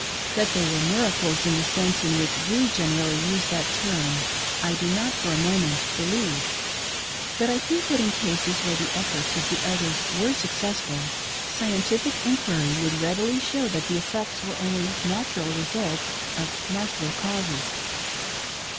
That they were miracles in the sense in which we generally use that term, I do not for a moment believe ; but I think that in cases where the efforts of the elders were suc cessful, scientific enquiry would readily show that the effects were only natural results of natural causes.